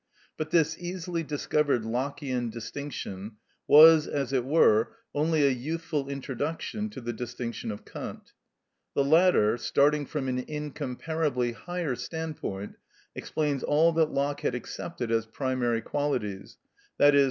But this easily discovered Lockeian distinction was, as it were, only a youthful introduction to the distinction of Kant. The latter, starting from an incomparably higher standpoint, explains all that Locke had accepted as primary qualities, _i.e.